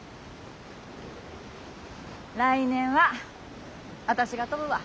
来年は私が飛ぶわ！